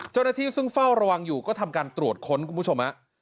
เจ้าหน้าที่ซึ่งเฝ้าระวังอยู่ก็ทำการตรวจค้นคุณผู้ชมฮะ